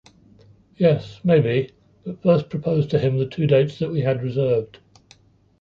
Yes, maybe, but first propose to him the two dates that we had reserved.